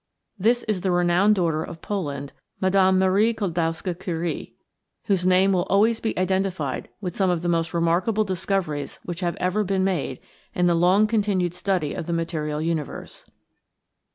This is that renowned daughter of Poland, Mme. Marie Klodowska Curie, whose name will always be identified with some of the most remarkable discoveries which have ever been made in the long continued study of the material universe.